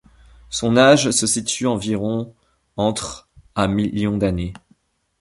Son âge se situe environ entre à millions d'années.